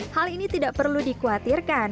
hal ini tidak perlu dikhawatirkan